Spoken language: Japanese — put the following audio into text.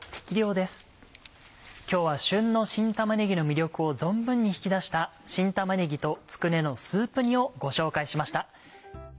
今日は旬の新玉ねぎの魅力を存分に引き出した「新玉ねぎとつくねのスープ煮」をご紹介しました。